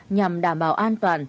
nhằm đảm bảo an toàn